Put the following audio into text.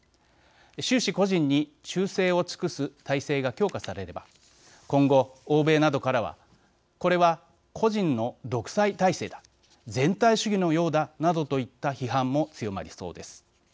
習氏個人に忠誠を尽くす体制が強化されれば今後、欧米などからはこれは個人の独裁体制だ全体主義のようだなどといった批判も強まりそうです。